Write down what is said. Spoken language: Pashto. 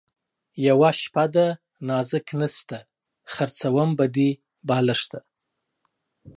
یوه شپه ده نازک نسته ـ خرڅوم به دې بالښته